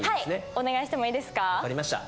お願いしてもいいですか？